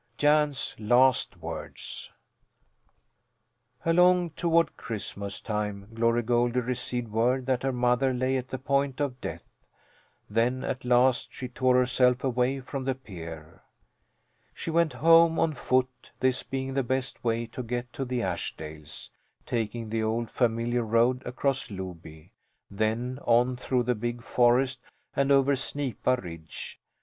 JAN'S LAST WORDS Along toward Christmas time Glory Goldie received word that her mother lay at the point of death. Then at last she tore herself away from the pier. She went home on foot, this being the best way to get to the Ashdales taking the old familiar road across Loby, then on through the big forest and over Snipa Ridge.